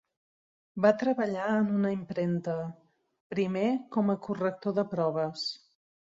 Va treballar en una impremta, primer com a corrector de proves.